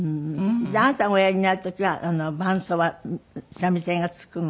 あなたがおやりになる時は伴奏は三味線がつくの？